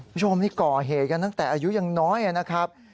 คุณผู้ชมนี่ก่อเหตุกันตั้งแต่อายุยังน้อยนะครับ